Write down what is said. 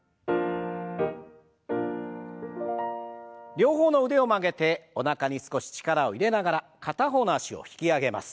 両方の腕を曲げておなかに少し力を入れながら片方の脚を引き上げます。